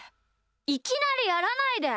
いきなりやらないで。